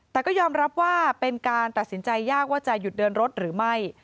แต่ก็ยอมรับว่าเป็นการตัดสินใจยากว่าจะหยุดเดินรถหรือไม่